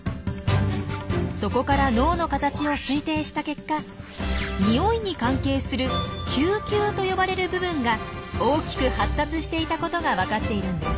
そこから脳の形を推定した結果匂いに関係する「嗅球」と呼ばれる部分が大きく発達していたことが分かっているんです。